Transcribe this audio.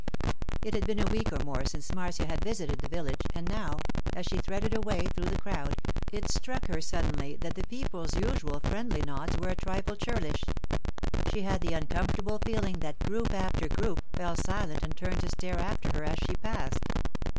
It had been a week or more since Marcia had visited the village, and now, as she threaded her way through the crowd, it struck her suddenly that the people's usual friendly nods were a trifle churlish; she had the uncomfortable feeling that group after group fell silent and turned to stare after her as the passed.